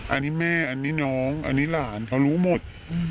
อันนี้แม่อันนี้น้องอันนี้หลานเขารู้หมด